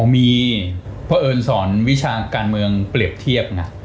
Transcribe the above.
มีเพราะเอิญสอนวิชาการเมืองเปรียบเทียบนะ